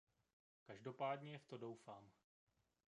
Každopádně v to doufám.